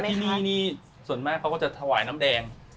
ที่นี่นี่ส่วนมากเขาก็จะถวายน้ำแดง